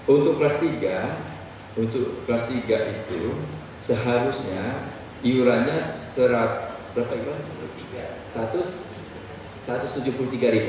untuk kelas tiga untuk kelas tiga itu seharusnya iurannya serat berapa gitu